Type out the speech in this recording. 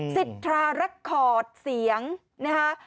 สิทธารักษ์เสียงนะฮะ